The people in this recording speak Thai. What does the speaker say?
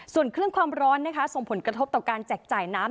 ส่วนคลื่นความร้อนนะคะส่งผลกระทบต่อการแจกจ่ายน้ำ